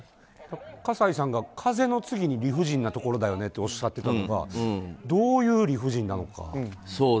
葛西さんが、風の次に理不尽なところだよねっておっしゃってたのがどういう理不尽なのか。